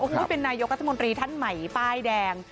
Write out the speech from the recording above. โอ้โหเป็นนายกรัฐมนตรีท่านใหม่ป้ายแดง